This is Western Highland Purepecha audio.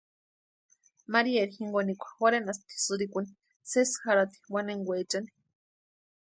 Marieri jinkonikwa jorhenasti sïrikuni sesi jarhati wanenkwechani.